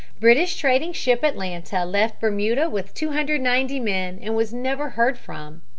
British trading ship Atlanta left Bermuda with 290 men and was never heard from.